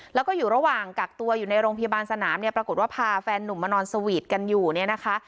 แล้วก็อยู่ระหว่างกักตัวอยู่ในโรงพยาบาลสนามเนี่ยปรากฏว่าพาแฟนนุ่มมานอนสวีทกันอยู่เนี่ยนะคะ